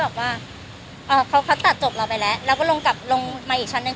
บอกว่าเขาตัดจบเราไปแล้วเราก็ลงกลับลงมาอีกชั้นหนึ่ง